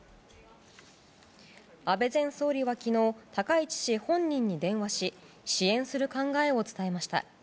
安倍前総理は昨日高市氏本人に電話し支援する考えを伝えました。